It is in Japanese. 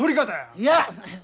いや！